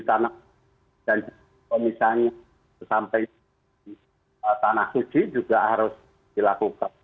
kalau nanti di tanah suci juga harus dilakukan